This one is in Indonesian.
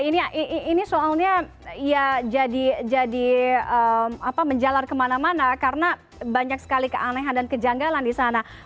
iya ini soalnya ya jadi jadi apa menjalan kemana mana karena banyak sekali keanehan dan kejanggalan di sana